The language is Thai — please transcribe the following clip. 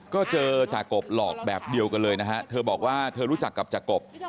ก็เจอจากกบหลอกแบบเดียวกันเลยนะฮะเธอบอกว่าเธอรู้จักกับจากกบ